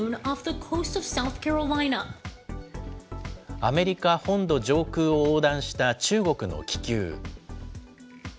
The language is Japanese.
アメリカ本土上空を横断した中国の気球。